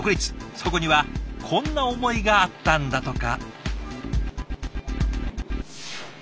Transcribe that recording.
そこにはこんな思いがあったんだとか。